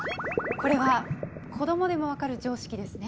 これは子供でも分かる常識ですね。